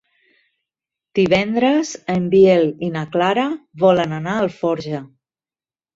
Divendres en Biel i na Clara volen anar a Alforja.